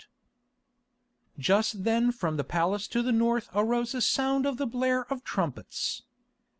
Just then from the palace to the north arose a sound of the blare of trumpets.